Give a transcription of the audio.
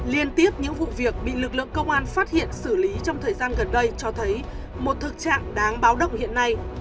liên tiếp những vụ việc bị lực lượng công an phát hiện xử lý trong thời gian gần đây cho thấy một thực trạng đáng báo động hiện nay